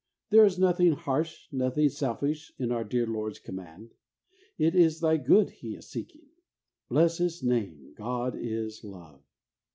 There is nothing harsh, nothing selfish in our dear Lord's command. It is 'thy good ' He is seeking. Bless His name ! 'God is love.